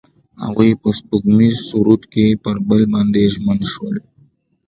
هغوی په سپوږمیز سرود کې پر بل باندې ژمن شول.